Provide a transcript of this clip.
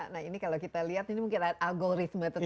nah ini kalau kita lihat ini mungkin ada algoritma tentunya